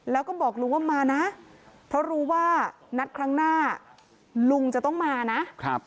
แล้วก็บอกลุงว่ามานะเพราะรู้ว่านัดครั้งหน้าลุงจะต้องมานะครับ